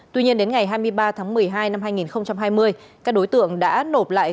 tuy nhiên đến ngày hai mươi ba tháng một mươi hai năm hai nghìn hai mươi các đối tượng đã nộp lại